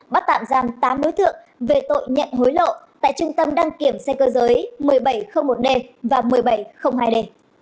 bắt tạm giam tám đối thượng về tội nhận hối lộ tại trung tâm đăng kiểm xe cơ giới một nghìn bảy trăm linh một d và một nghìn bảy trăm linh hai d